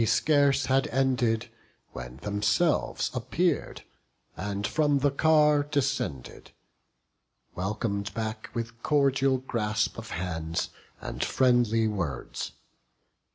He scarce had ended, when themselves appear'd, And from the car descended: welcom'd back With cordial grasp of hands, and friendly words.